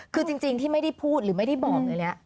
คือจริงที่ไม่ได้พูดหรือไม่ได้บอกเลยเนี่ย